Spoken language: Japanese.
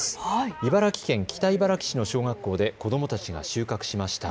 茨城県北茨城市の小学校で子どもたちが収穫しました。